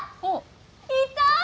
いた！